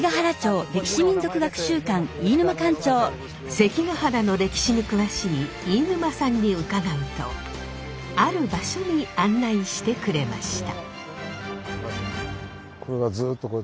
関ケ原の歴史に詳しい飯沼さんに伺うとある場所に案内してくれました。